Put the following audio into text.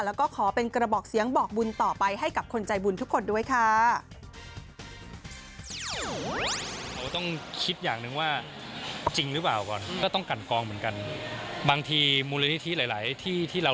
แล้วก็ขอเป็นกระบอกเสียงบอกบุญต่อไปให้กับคนใจบุญทุกคนด้วยค่ะ